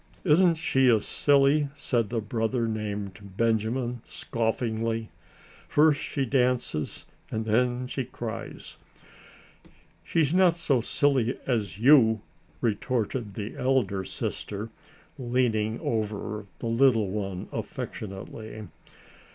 "Isn't she a silly?" said the brother named Benjamin, scoffingly; "first she dances, and then she cries!" "She's not so silly as you!" retorted the elder sister, leaning over the little one affectionately.